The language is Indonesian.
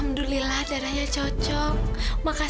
jadi melalui e learning mereka meleinapkan